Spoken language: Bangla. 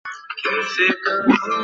ভ্যালকারি, আমি তোমার জন্য এটাকে ভালোবাসি।